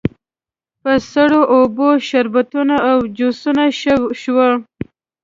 په سړو اوبو، شربتونو او جوسونو شوه.